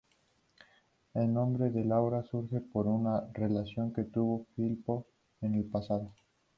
El nombre de Laura surge por una relación que tuvo Filippo en el pasado.